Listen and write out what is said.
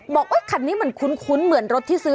บอกว่าขัดนี้มันคุ้นเหมือนรถที่ซื้อ